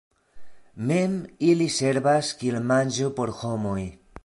Mem ili servas kiel manĝo por homoj.